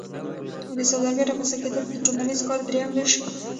د سوداګر رامنځته کیدل د ټولنیز کار دریم ویش شو.